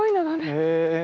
へえ。